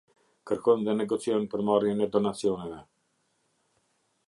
Kërkon dhe negocion për marrjen e donacioneve.